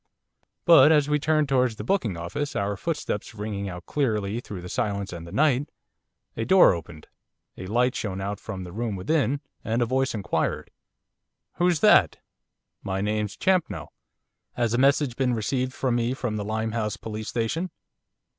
But as we turned towards the booking office, our footsteps ringing out clearly through the silence and the night, a door opened, a light shone out from the room within, and a voice inquired: 'Who's that?' 'My name's Champnell. Has a message been received from me from the Limehouse Police Station?